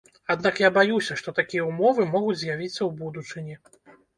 Аднак я баюся, што такія ўмовы могуць з'явіцца ў будучыні.